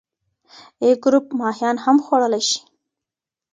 A ګروپ ماهیان هم خوړلی شي.